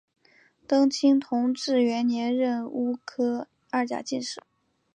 登清同治元年壬戌科二甲进士。